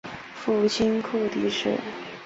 父亲厍狄峙。